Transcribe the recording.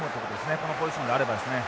このポジションであればですね。